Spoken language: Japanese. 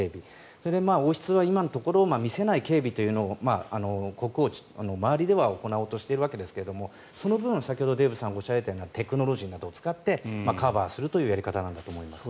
それで、王室は今のところ見せない警備というのを国王の周りでは行おうとしているわけですがその分、先ほどデーブさんがおっしゃられたようなテクノロジーなどを使ってカバーするというやり方なんだと思います。